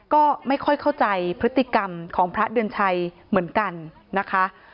ก็ไม่ค่อยเข้าใจพฤติกรรมของพระเดือนชัยเหมือนกันนะคะ